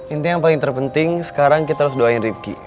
intinya yang paling terpenting sekarang kita harus doain rifki